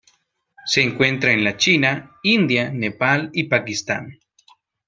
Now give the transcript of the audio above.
Se encuentra en la China, India, Nepal y Pakistán.